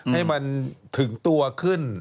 ให้มันถึงตัวขึ้น